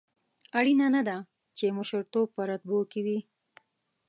اړینه نه ده چې مشرتوب په رتبو کې وي.